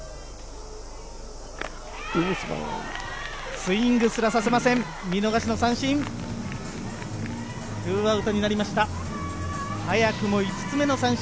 スイングすらさせません、見逃しの三振。